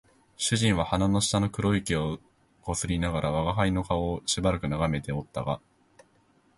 主人は鼻の下の黒い毛を撚りながら吾輩の顔をしばらく眺めておったが、